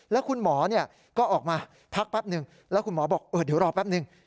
แล้วคุณหมอก็ออกมาพักแป๊บนึงแล้วคุณหมอบอกเดี๋ยวรอแป๊บนึง